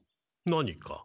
何か？